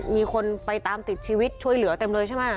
มีคนไปตามติดชีวิตช่วยเหลือเต็มเลยใช่ไหม